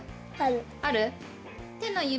ある。